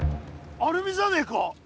アルミじゃねえか？